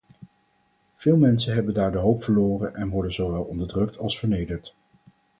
Veel mensen hebben daar de hoop verloren en worden zowel onderdrukt als vernederd.